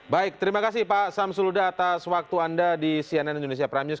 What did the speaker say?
baik terima kasih pak samsul huda atas waktu anda di cnn indonesia prime news